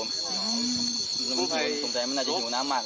สงสัยมันอาจจะหิวน้ำมาก